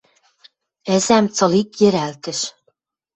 Ӹзӓм цылик йӹрӓлтӹш.